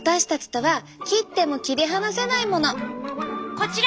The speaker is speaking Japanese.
こちら！